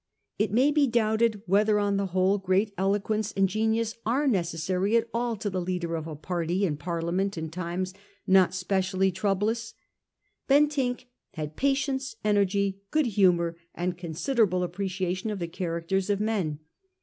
It may be doubted whether on the whole great eloquence and genius are necessary at all to the leader of a party in Parliament in times not specially troublous. Ben tinck had patience, energy, good humour, and con siderable appreciation of the characters of men.